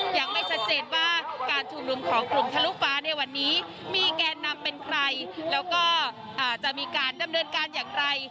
ยังไม่ชัดเจนว่าการชุมนุมของกลุ่มทะลุฟ้าในวันนี้มีแกนนำเป็นใครแล้วก็จะมีการดำเนินการอย่างไร